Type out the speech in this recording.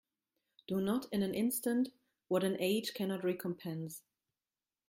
Do not in an instant what an age cannot recompense.